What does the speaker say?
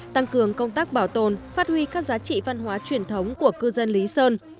tăng cường công tác bảo tồn phát huy các giá trị văn hóa truyền thống của cư dân lý sơn